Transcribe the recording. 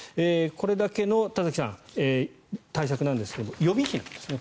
これだけの対策なんですが予備費なんですね。